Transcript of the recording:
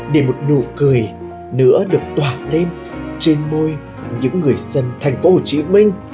để một nụ cười nữa được tỏa lên trên môi những người dân thành phố hồ chí minh